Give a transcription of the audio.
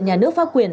nhà nước pháp quyền